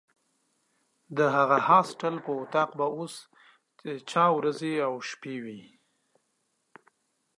د هغه هاسټل په وطاق به اوس چا ورځې شپې وي.